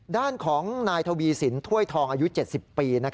ด้านของนายทวีสินถ้วยทองอายุ๗๐ปี